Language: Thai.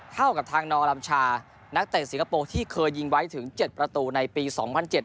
เท่ากับทางนอลัมชานักเตะสิงคโปร์ที่เคยยิงไว้ถึงเจ็ดประตูในปีสองพันเจ็ด